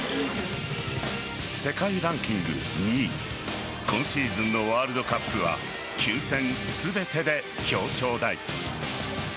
世界ランキング２位今シーズンのワールドカップは９戦全てで表彰台。